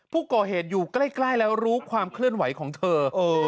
ผู้ก่อเหตุอยู่ใกล้แล้วรู้ความเคลื่อนไหวของเธอ